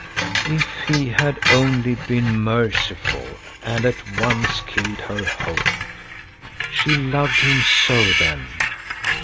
If he had only been merciful and at once killed her hope. She loved him so then.